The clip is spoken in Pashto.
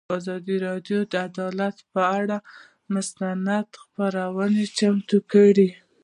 ازادي راډیو د عدالت پر اړه مستند خپرونه چمتو کړې.